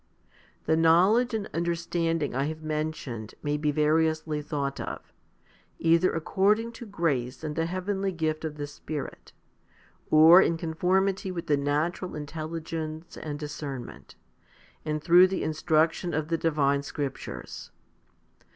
3 The knowledge and under standing I have mentioned may be variously thought of, either according to grace and the heavenly gift of the Spirit, or in conformity with the natural intelligence and discern ment, and through the instruction of the divine scriptures.